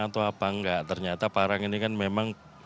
atau apa enggak ternyata parang ini kan memang